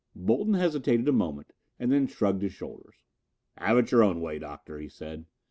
Bolton hesitated a moment and then shrugged his shoulders. "Have it your own way, Doctor," he said.